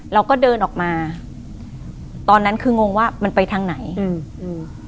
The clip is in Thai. เราก็เดินออกมาตอนนั้นคืองงว่ามันไปทางไหนอืมอืม